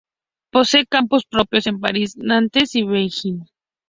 Posee campus propios en París, Nantes y Beijing.